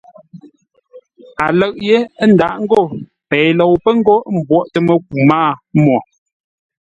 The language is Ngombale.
A lə̂ʼ yé, ə́ ndáʼ ngô: Pei lou pə́ ńgó m mbwóʼtə́ məku mâa mwo.